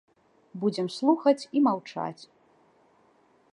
Будзем слухаць і маўчаць.